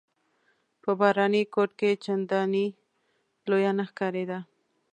په باراني کوټ کې چنداني لویه نه ښکارېده.